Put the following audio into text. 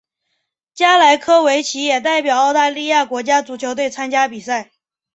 加莱科维奇也代表澳大利亚国家足球队参加比赛。